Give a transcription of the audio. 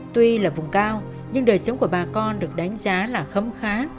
tuy là vùng cao nhưng đời sống của bà con được đánh giá là khấm khá